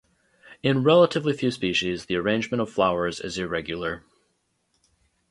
In relatively few species, the arrangement of flowers is irregular.